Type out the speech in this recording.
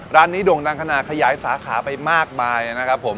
ร้านนี้โด่งดังขนาดขยายสาขาไปมากมายนะครับผม